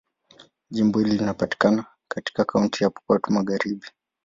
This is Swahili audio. Jimbo hili linapatikana katika Kaunti ya Pokot Magharibi.